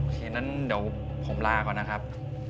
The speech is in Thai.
คืนนั้นเดี๋ยวผมลาก่อนนะครับ